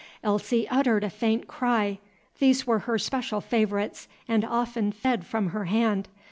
Elsie uttered a faint cry; these were her special favorites and often fed from her hand.